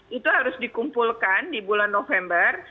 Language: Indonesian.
itu harus dikumpulkan di bulan november